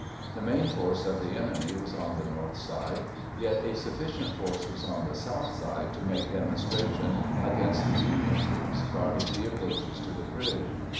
The main force of the enemy was on the north side, yet a sufficient force was on the south side to make demonstration against the Union troops guarding the approaches to the bridge.